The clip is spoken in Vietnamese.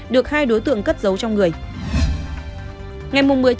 được hai đối tượng cất giấu trong người